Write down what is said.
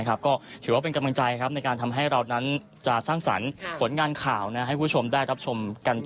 และก็จะทำให้เรานั้นยึดมั่น